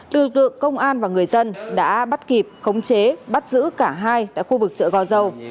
lực lượng công an và người dân đã bắt kịp khống chế bắt giữ cả hai tại khu vực chợ gò dầu